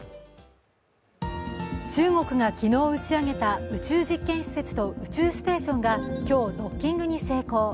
中国が昨日打ち上げた、宇宙実験施設と宇宙ステーションが今日、ドッキングに成功。